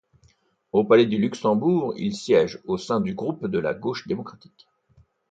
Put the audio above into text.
Au Palais du Luxembourg, il siège au sein du groupe de la Gauche démocratique.